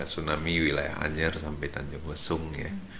tsunami wilayah anyer sampai tanjung lesung ya